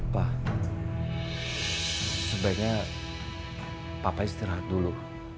wah sebaiknya papa istirahat dulu